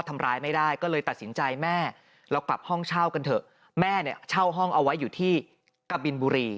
ทำร้ายไม่ได้ก็เลยตัดสินใจแม่เรากลับห้องเช่ากันเถอะแม่เนี่ยเช่าห้องเอาไว้อยู่ที่กะบินบุรี